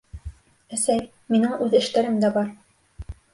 Әсәй, минең үҙ эштәрем дә бар.